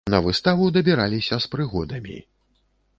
На выставу дабіраліся з прыгодамі.